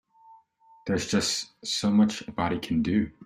There's just so much a body can do.